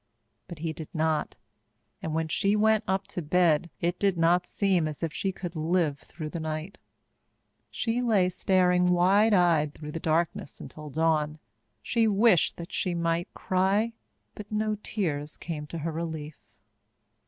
But he did not; and when she went up to bed, it did not seem as if she could live through the night. She lay staring wide eyed through the darkness until dawn. She wished that she might cry, but no tears came to her relief.